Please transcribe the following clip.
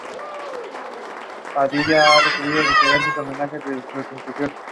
Estoy muy orgulloso de ella.